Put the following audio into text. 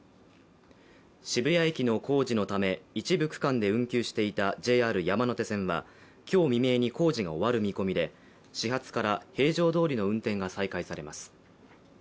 渋谷駅の工事のため一部区間で運休していたＪＲ山手線は今日未明に工事が終わる見込みで始発から平常どおりの運転が再開されます。